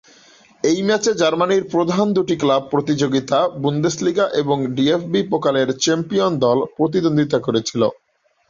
এই ম্যাচে জার্মানির প্রধান দুটি ক্লাব প্রতিযোগিতা, বুন্দেসলিগা এবং ডিএফবি-পোকালের চ্যাম্পিয়ন দল প্রতিদ্বন্দ্বিতা করেছিল।